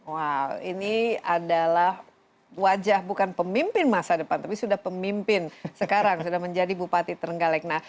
wow ini adalah wajah bukan pemimpin masa depan tapi sudah pemimpin sekarang sudah menjadi bupati terenggalek